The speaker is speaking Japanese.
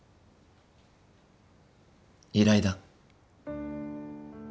依頼だ。